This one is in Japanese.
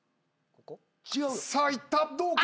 さあいったどうか？